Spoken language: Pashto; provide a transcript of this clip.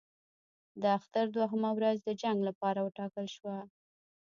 د اختر دوهمه ورځ د جنګ لپاره وټاکل شوه.